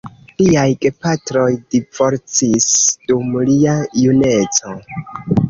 Liaj gepatroj divorcis dum lia juneco.